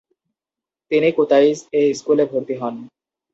তিনি কুতাইস-এ স্কুলে ভর্তি হন।